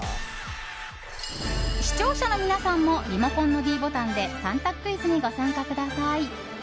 視聴者の皆さんもリモコンのｄボタンで３択クイズにご参加ください。